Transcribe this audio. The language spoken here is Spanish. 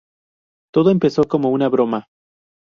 Todo empezó como una broma.